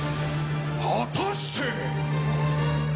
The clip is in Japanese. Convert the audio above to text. ・果たして。